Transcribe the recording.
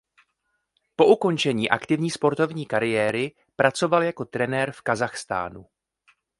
Po ukončení aktivní sportovní kariéry pracoval jako trenér v Kazachstánu.